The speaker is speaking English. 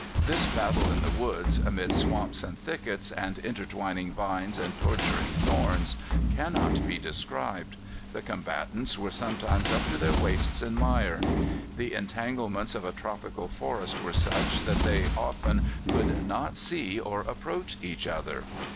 This battle in the woods, amid swamps and thickets, and intertwining vines and torturing thorns, can not be described. The combatants were sometimes up to their waists in mire. The entanglements of a tropical forest were such that they often could not see or approach each other.